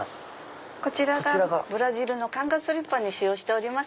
こちらがブラジルのカンガスリッパに使用しております